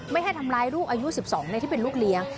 ไม่ให้ทำร้ายลูกอายุ๑๒ในที่เป็นลูกเลี้ยง